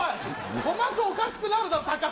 鼓膜おかしくなるだろ、たかし！